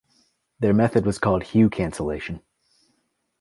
Their method was called "hue cancellation".